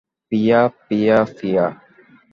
প্রিয়া Priya প্রিয়া!